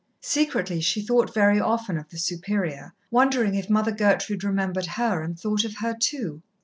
Secretly she thought very often of the Superior, wondering if Mother Gertrude remembered her and thought of her too.